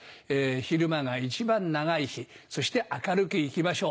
昼間が一番長い日そして明るく生きましょう。